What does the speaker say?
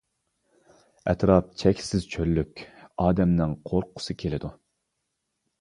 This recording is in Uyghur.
ئەتراپ چەكسىز چۆللۈك، ئادەمنىڭ قورققۇسى كېلىدۇ.